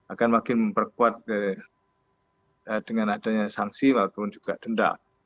akan makin memperkuat dengan adanya sanksi walaupun juga denda